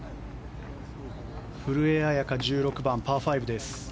古江彩佳、１６番パー５です。